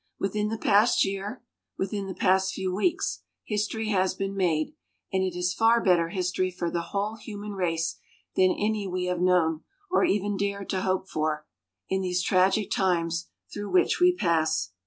Within the past year within the past few weeks history has been made, and it is far better history for the whole human race than any that we have known, or even dared to hope for, in these tragic times through which we pass.